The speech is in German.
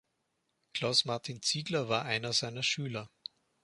Klaus Martin Ziegler war einer seiner Schüler.